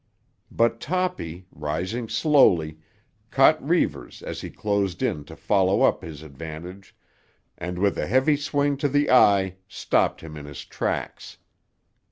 But Toppy, rising slowly, caught Reivers as he closed in to follow up his advantage and with a heavy swing to the eye stopped him in his tracks.